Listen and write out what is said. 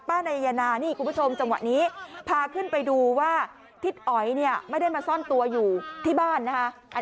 นายนานี่คุณผู้ชมจังหวะนี้พาขึ้นไปดูว่าทิศอ๋อยเนี่ยไม่ได้มาซ่อนตัวอยู่ที่บ้านนะคะ